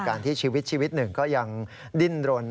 ที่ชีวิตชีวิตหนึ่งก็ยังดิ้นรน